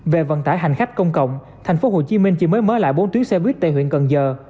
về vận tải hành khách công cộng tp hcm chỉ mới mở lại bốn tuyến xe buýt tại huyện cần giờ